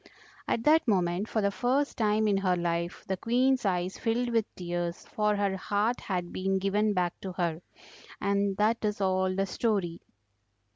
At that moment, for the first time in her life the Queen's eyes filled with tears, for her heart had been given back to her. And that is all the story."